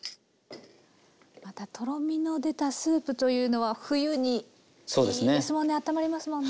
またとろみの出たスープというのは冬にいいですもんねあったまりますもんね。